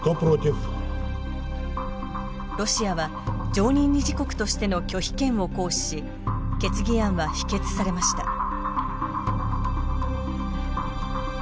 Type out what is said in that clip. ロシアは常任理事国としての拒否権を行使し決議案は否決されました。